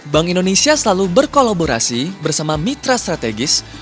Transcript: bank indonesia selalu berkolaborasi bersama mitra strategis